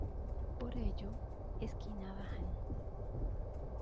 Por ello "¡Esquina bajan!